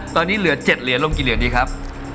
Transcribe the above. ตอนนี้เหลือ๗เหรียญลงกี่เหรียญดีครับ